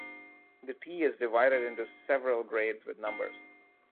The tea is divided into several grades with numbers.